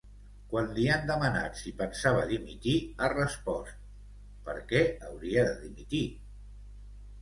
Quan li han demanat si pensava dimitir, ha respost: Per què hauria de dimitir?